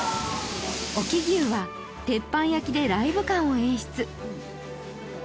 隠岐牛は鉄板焼きでライブ感を演出